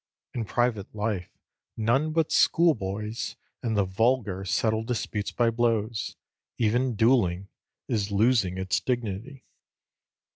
In private life, none but school boys and the vulgar settle disputes by blows; even duelling is losing its dignity.